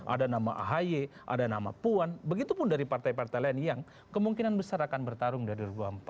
ada nama ahy ada nama puan begitu pun dari partai partai lain yang kemungkinan besar akan bertarung di dua ribu dua puluh empat